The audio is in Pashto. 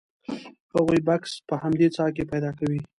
هغوی بکس په همدې څاه کې پیدا کوي.